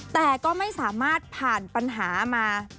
แต่ก็ไม่สามารถผ่านปัญหามา